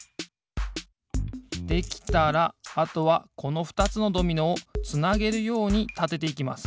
できたらあとはこのふたつのドミノをつなげるようにたてていきます